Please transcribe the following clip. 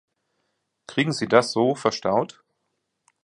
Kriegen Sie das so verstaut?